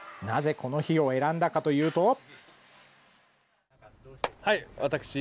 なぜこの日を選んだかというと。